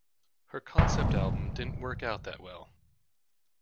Her concept album didn't work out that well.